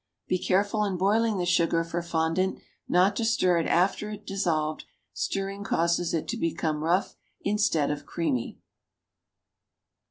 Be careful in boiling the sugar for fondant, not to stir it after it is dissolved; stirring causes it to become rough instead of creamy.